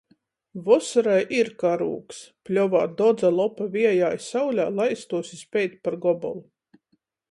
Vosorai ir karūgs. Pļovā dodza lopa viejā i saulē laistuos i speid par gobolu.